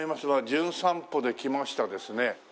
『じゅん散歩』で来ましたですね